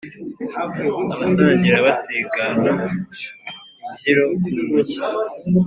Abasangira basigana imbyiro ku ntoki